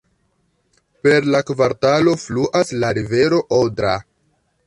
Per la kvartalo fluas la rivero Odra.